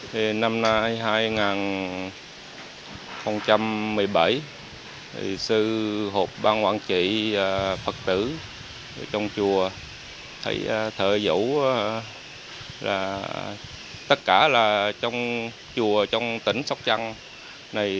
thì năm nay hai nghìn một mươi bảy thì sư hộp ban hoàng trị phật tử ở trong chùa thì thời dẫu là tất cả là trong chùa trong tỉnh sóc trăng này